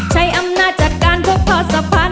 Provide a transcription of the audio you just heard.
ใช้อำนาจจัดการพวกพ่อสะพาน